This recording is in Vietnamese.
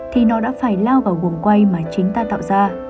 thì nó đã phải lao vào gồm quay mà chính ta tạo ra